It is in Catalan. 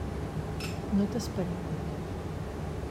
No t'esperava.